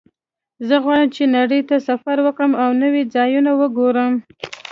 زه غواړم چې نړۍ ته سفر وکړم او نوي ځایونه وګورم